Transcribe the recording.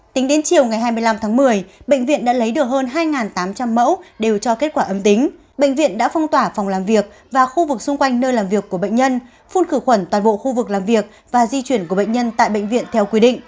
tính đến chiều ngày hai mươi năm tháng một mươi bệnh viện đã lấy được hơn hai tám trăm linh mẫu đều cho kết quả âm tính bệnh viện đã phong tỏa phòng làm việc và khu vực xung quanh nơi làm việc của bệnh nhân phun khử khuẩn toàn bộ khu vực làm việc và di chuyển của bệnh nhân tại bệnh viện theo quy định